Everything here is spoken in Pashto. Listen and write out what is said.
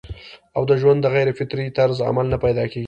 او د ژوند د غېر فطري طرز عمل نه پېدا کيږي